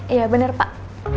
iya bener pak